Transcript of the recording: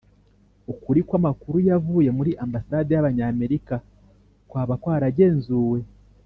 ukuri kw'amakuru yavuye muri ambasade y'abanyamerika kwaba kwaragenzuwe?